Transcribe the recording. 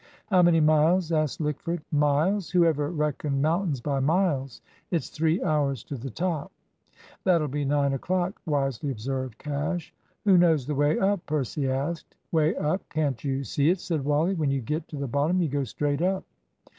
"How many miles?" asked Lickford. "Miles? Who ever reckoned mountains by miles? It's three hours to the top." "That'll be nine o'clock," wisely observed Cash. "Who knows the way up?" Percy asked. "Way up? Can't you see it?" said Wally. "When you get to the bottom, you go straight up."